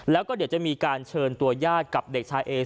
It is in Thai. แล้วก็เดี๋ยวจะมีการเชิญตัวญาติกับเด็กชายเอ